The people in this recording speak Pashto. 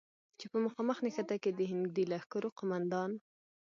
چې په مخامخ نښته کې د هندي لښکرو قوماندان،